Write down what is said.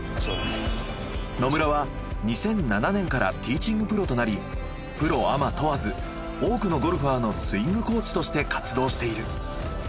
野村は２００７年からティーチングプロとなりプロアマ問わず多くのゴルファーのスイングコーチとして活動している。